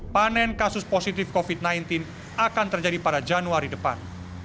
panen kasus positif covid sembilan belas akan terjadi pada januari depan